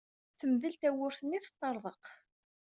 Temdel tewwurt-nni, teṭṭerḍeq.